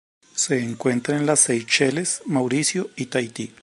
Se encuentra en las Seychelles, Mauricio y Tahití.